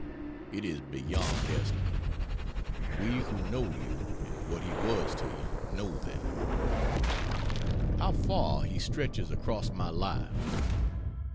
It is beyond estimate we who know you, and what he was to you, know that. How far he stretches across my life!